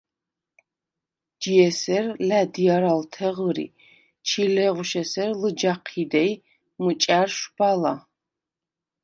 ჯი ესერ ლა̈დჲარალთე ღჷრი, ჩილეღვშ ესერ ლჷჯა ჴიდე ი მჷჭა̈რშვ ბალა.